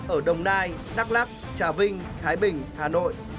ở đồng nai đắk lắc trà vinh thái bình hà nội